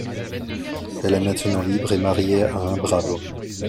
Elle est maintenant libre et mariée à un brave homme.